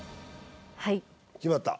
はい決まった？